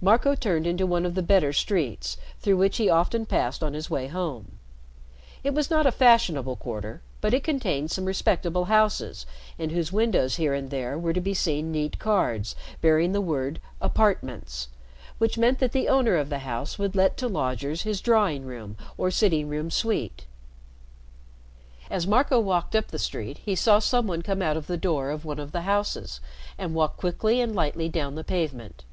Marco turned into one of the better streets, through which he often passed on his way home. It was not a fashionable quarter, but it contained some respectable houses in whose windows here and there were to be seen neat cards bearing the word "Apartments," which meant that the owner of the house would let to lodgers his drawing room or sitting room suite. As Marco walked up the street, he saw some one come out of the door of one of the houses and walk quickly and lightly down the pavement.